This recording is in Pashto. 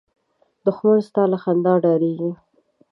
دښمن ستا له خندا ډارېږي